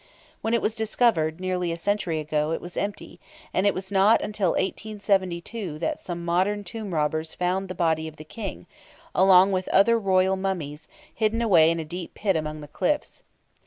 When it was discovered, nearly a century ago, it was empty, and it was not till 1872 that some modern tomb robbers found the body of the King, along with other royal mummies, hidden away in a deep pit among the cliffs.